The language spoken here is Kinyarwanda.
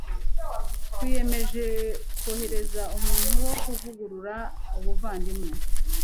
twiyemeje kohereza umuntu wo kuvugurura ubuvandimwe